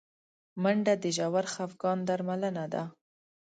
منډه د ژور خفګان درملنه ده